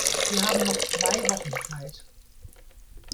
Wir haben noch zwei Wochen Zeit.